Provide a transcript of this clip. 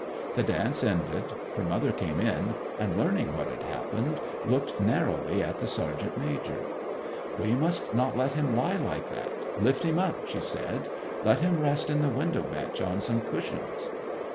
The dance ended; her mother came in, and learning what had happened, looked narrowly at the sergeant major. 'We must not let him lie like that, lift him up,' she said. 'Let him rest in the window bench on some cushions.'